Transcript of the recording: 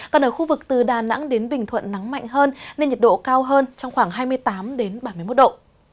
còn ở khu vực từ đà nẵng đến bình thuận nắng mạnh hơn nên nhiệt độ cao hơn trong khoảng hai mươi tám ba mươi một độ